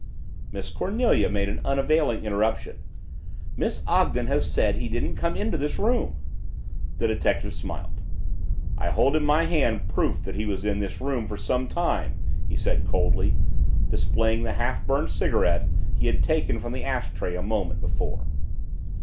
Miss Cornelia made an unavailing interruption. "Miss Ogden has said he didn't come into this room." The detective smiled. "I hold in my hand proof that he was in this room for some time," he said coldly, displaying the half burned cigarette he had taken from the ash tray a moment before.